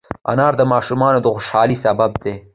انار د ماشومانو د خوشحالۍ سبب دی.